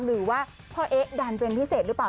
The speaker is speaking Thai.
หรือว่าพ่อเอ๊ะดันเป็นพิเศษหรือเปล่า